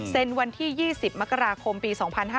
เซ็นวันที่๒๐มกราคมปี๒๕๖๐